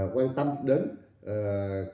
quan tâm đến các cháu